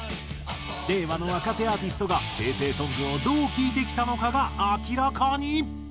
令和の若手アーティストが平成ソングをどう聴いてきたのかが明らかに。